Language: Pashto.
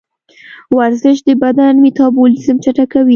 ورزش د بدن میتابولیزم چټکوي.